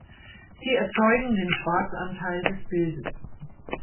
Sie erzeugen den Schwarz-Anteil des Bildes.